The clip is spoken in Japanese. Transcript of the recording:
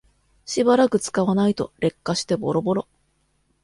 しばらく使わないと劣化してボロボロ